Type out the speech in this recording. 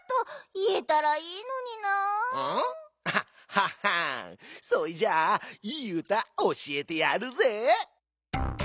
ははんそいじゃあいいうたおしえてやるぜ。